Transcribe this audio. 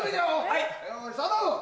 よいスタート！